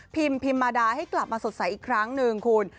พิมมาดาให้กลับมาสดใสอีกครั้งหนึ่งคุณ